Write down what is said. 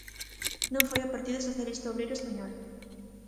Non foi o Partido Socialista Obreiro Español.